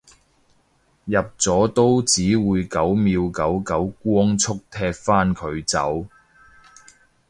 入咗都只會九秒九九光速踢返佢走